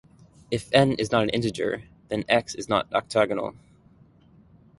If "n" is not an integer, then "x" is not octagonal.